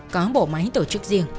có bổ máy tổ chức riêng